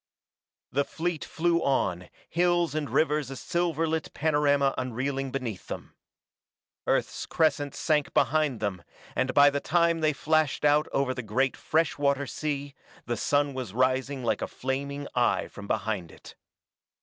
The fleet flew on, hills and rivers a silver lit panorama unreeling beneath them. Earth's crescent sank behind them, and by the time they flashed out over the great fresh water sea, the sun was rising like a flaming eye from behind it.